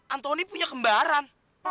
antoni punya kembaran